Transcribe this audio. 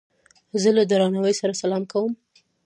زه له درناوي سره سلام کوم.